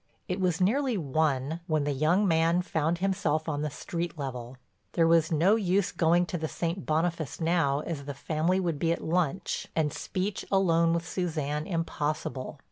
It was nearly one when the young man found himself on the street level. There was no use going to the St. Boniface now as the family would be at lunch and speech alone with Suzanne impossible.